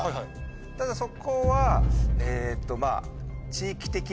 ただそこはえっと。